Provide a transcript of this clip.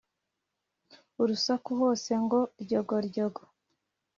urusaku hose ngo ryogoryogo